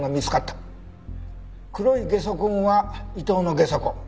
黒いゲソ痕は伊藤のゲソ痕。